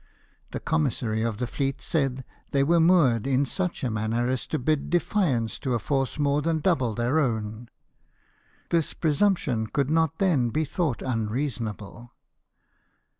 The commissary of the fleet said they were moored in such a manner as to bid defiance to a force more than double their own. This presumption could not then be thought unreasonable.